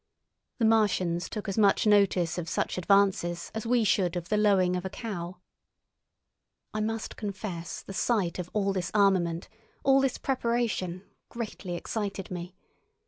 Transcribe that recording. The Martians took as much notice of such advances as we should of the lowing of a cow. I must confess the sight of all this armament, all this preparation, greatly excited me.